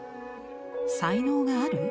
「才能がある？